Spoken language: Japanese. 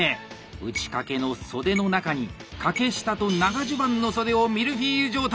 打掛の袖の中に掛下と長襦袢の袖をミルフィーユ状態。